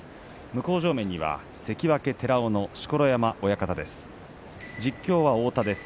向正面には関脇寺尾の錣山親方です。